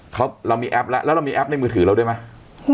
เรามีแอปแล้วแล้วเรามีแอปในมือถือได้ไหม